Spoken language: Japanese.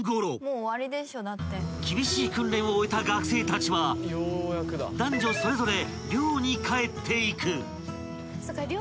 ［厳しい訓練を終えた学生たちは男女それぞれ寮に帰っていく］